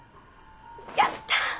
やったぁ！